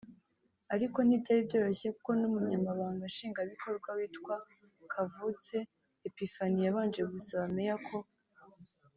Ariko ntibyari byoroshye kuko n’ Umunyamabanga Nshingwabikorwa witwa Kavutse Epiphanie yabanje gusaba Mayor ko